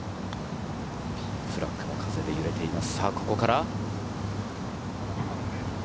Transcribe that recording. ピンフラッグも風で揺れています。